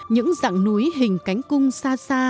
những dặng núi hình cánh cung xa xa